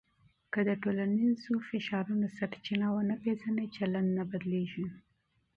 که د ټولنیزو فشارونو سرچینه ونه پېژنې، چلند نه بدلېږي.